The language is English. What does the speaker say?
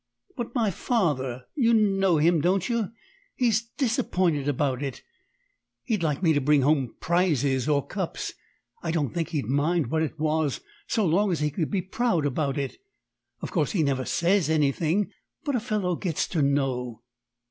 "But my father you know him, don't you? he's disappointed about it. He'd like me to bring home prizes or cups. I don't think he'd mind what it was, so long as he could be proud about it. Of course he never says anything: but a fellow gets to know."